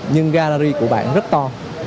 nhưng gallery của bạn rất to